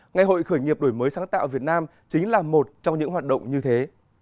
ngày hội khởi nghiệp đổi mới sáng tạo việt nam chính là một trong những hoạt động như thế